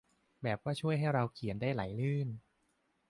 แบบว่าช่วยให้เราเขียนได้ไหลลื่น